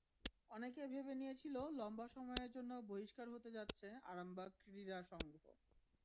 অনেকে ভেবে নিয়েছিল লম্বা সময়ের জন্য বহিষ্কার হতে যাচ্ছে আরামবাগ ক্রীড়াসংঘ।